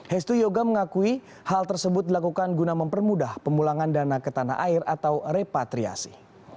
hestu yoga mengakui hal tersebut dilakukan guna mempermudah pemulangan dana ke tanah air atau repatriasi